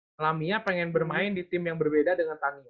atau lamia pengen bermain di tim yang berbeda dengan tanya